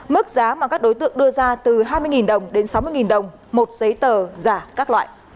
mức giá mà các đối tượng đưa ra từ hai mươi đồng đến sáu mươi đồng một giấy tờ giả các loại